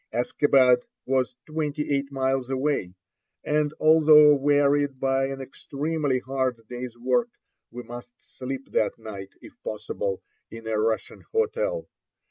Askabad was twenty eight miles away, and although wearied by an extremely hard day's work, we must sleep that night, if possible, in a Russian hotel.